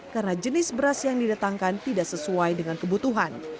karena jenis beras yang didatangkan tidak sesuai dengan kebutuhan